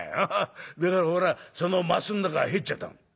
だから俺はその升ん中へ入っちゃったの」。